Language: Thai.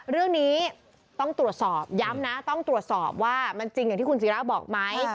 เรื่องนี้ต้องตรวจสอบย้ำนะต้องตรวจสอบว่ามันจริงอย่างที่คุณศิราบอกไหม